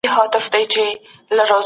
سفارتي اړیکي څه ارزښت لري؟